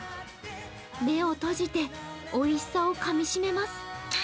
目を閉じておいしさをかみしめます。